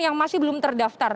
yang masih belum terdaftar